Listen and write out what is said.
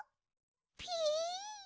ピ。